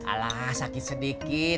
alah sakit sedikit